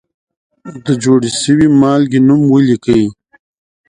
د جوړې شوې مالګې نوم ولیکئ.